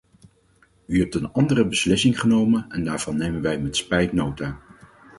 U hebt een andere beslissing genomen en daarvan nemen wij met spijt nota.